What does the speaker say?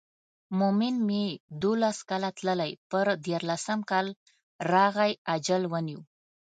مومن مې دولس کاله تللی پر دیارلسم کال راغی اجل ونیو.